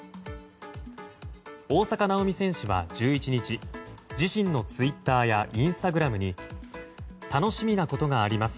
大坂なおみ選手は１１日自身のツイッターやインスタグラムに楽しみなことがあります